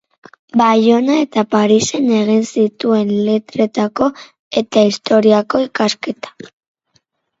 Baionan eta Parisen egin zituen letretako eta historiako ikasketak.